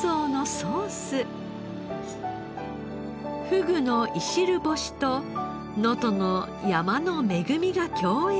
ふぐのいしる干しと能登の山の恵みが共演するフレンチ。